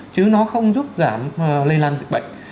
chứ nó không giúp giảm lây lan dịch bệnh